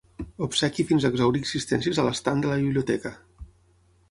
Obsequi fins a exhaurir existències a l'estand de la biblioteca.